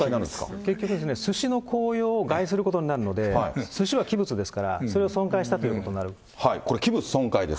結局、すしのこうようを害することになるので、すしは器物ですから、そこれ器物損壊です。